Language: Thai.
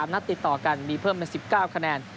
นัดติดต่อกันมีเพิ่มเป็น๑๙คะแนน